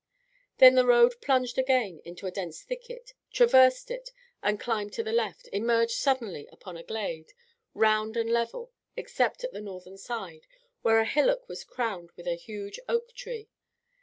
Then the road plunged again into a dense thicket, traversed it, and climbing to the left, emerged suddenly upon a glade, round and level except at the northern side, where a hillock was crowned with a huge oak tree.